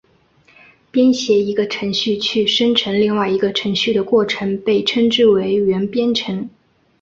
编写一个程序去生成另外一个程序的过程被称之为元编程。